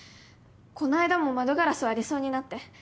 この間も窓ガラス割りそうになって。